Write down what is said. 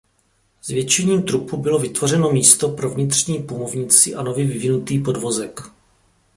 Zvětšením trupu bylo vytvořeno místo pro vnitřní pumovnici a nově vyvinutý podvozek.